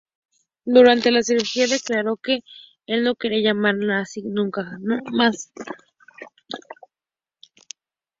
Durante la cirugía declaró que "no quería que la llamaran nazi nunca más".